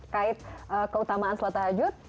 kait keutamaan salat tahajud